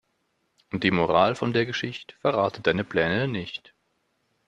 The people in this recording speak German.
Und die Moral von der Geschicht': Verrate deine Pläne nicht.